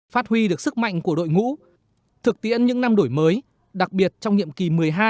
phát huy được sức mạnh của đội ngũ thực tiễn những năm đổi mới đặc biệt trong nhiệm kỳ một mươi hai